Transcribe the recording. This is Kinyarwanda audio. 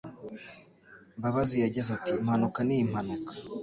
Mbabazi yagize ati " Impanuka ni impanuka,